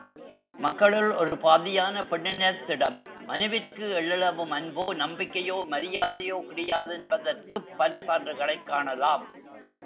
மக்களுள் ஒரு பாதியான பெண்ணினத்திடம் மனுவிற்கு எள்ளளவும் அன்போ, நம்பிக்கையோ, மரியாதையோ கிடையாதென்பதற்குப் பல சான்றுகளைக் காணலாம்.